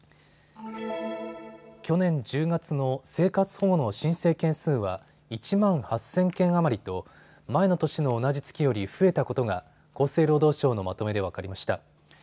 去年１０月の生活保護の申請件数は１万８０００件余りと前の年の同じ月より増えたことが厚生労働省のまとめで分かりました。